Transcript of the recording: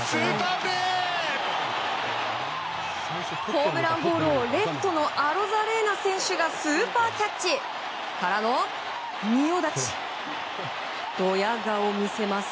ホームランボールをレフトのアロザレーナ選手がスーパーキャッチ！からの仁王立ちドヤ顔を見せます。